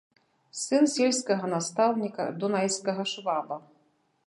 Сын сельскага настаўніка, дунайскага шваба.